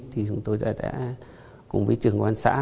thì chúng tôi đã cùng với trưởng quan xã